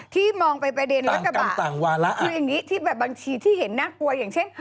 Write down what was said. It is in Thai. ที่มองไปประเด็นรถกระบะคือยังนี้แบบบังชีที่เห็นน่ากลัวอย่างเช่น